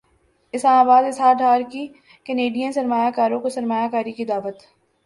اسلام اباد اسحاق ڈار کی کینیڈین سرمایہ کاروں کو سرمایہ کاری کی دعوت